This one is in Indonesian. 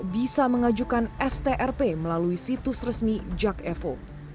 bisa mengajukan strp melalui situs resmi jak evo